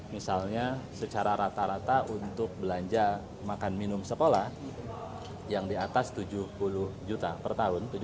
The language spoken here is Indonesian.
misalnya secara rata rata untuk belanja makan minum sekolah yang di atas tujuh puluh juta per tahun